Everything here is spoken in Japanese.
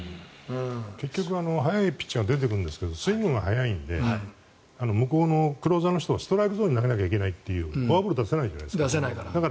結局、速いピッチャーが出てくるんですけどスイングが速いので向こうのクローザーの人はストライクゾーンに出さなきゃいけないとフォアボールを出せないじゃないですか。